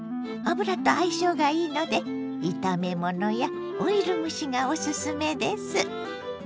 油と相性がいいので炒め物やオイル蒸しがおすすめです。